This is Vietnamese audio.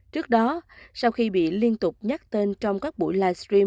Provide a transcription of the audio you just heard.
trước đó sau khi bị liên tục nhắc tên trong các buổi live stream